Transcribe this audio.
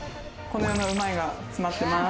この世のうまいが詰まってます。